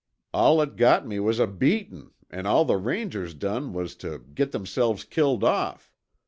All it got me was a beatin' an' all the Rangers done was tuh git themselves killed off.